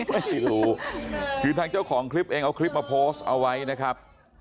ไม่รู้คือทางเจ้าของคลิปเองเอาคลิปมาโพสต์เอาไว้นะครับ